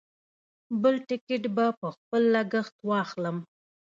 بل ټکټ به په خپل لګښت واخلم.